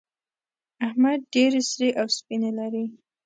احمد ډېر سرې او سپينې لري.